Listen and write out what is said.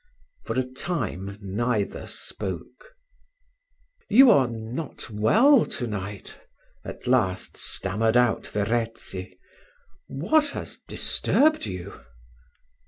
For a time neither spoke. "You are not well to night," at last stammered out Verezzi: "what has disturbed you?"